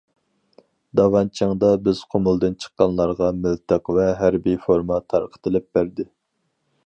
داۋانچىڭدا بىز قۇمۇلدىن چىققانلارغا مىلتىق ۋە ھەربىي فورما تارقىتىپ بەردى.